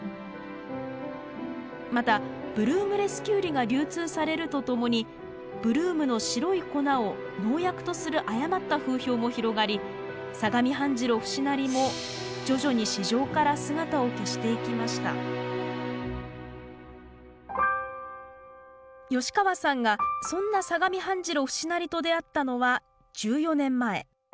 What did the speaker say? またブルームレスキュウリが流通されるとともにブルームの白い粉を農薬とする誤った風評も広がり相模半白節成も徐々に市場から姿を消していきました吉川さんがそんな相模半白節成と出会ったのは１４年前。